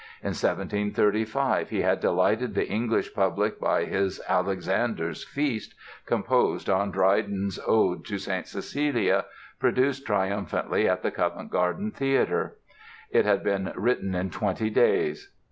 In 1735 he had delighted the English public by his "Alexander's Feast", composed on Dryden's "Ode to St. Cecilia", produced triumphantly at the Covent Garden Theatre. It had been written in twenty days.